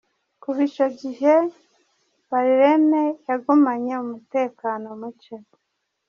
Kuva ico gihe Bahraine yagumanye umutekano muke.